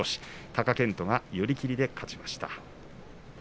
貴健斗は寄り切りで勝ちました。